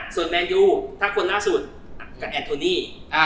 ส่วนเมนูทั้งคนล่วงสุดก็แอทโทนี่